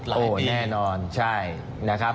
หลายปีใช่โอ้แน่นอน